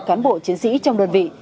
cán bộ chiến sĩ trong đơn vị